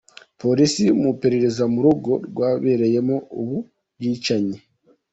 Polisi mu iperereza mu rugo rwabereyemo ubu bwicanyi.